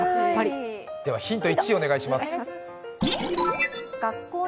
ではヒント１、お願いします。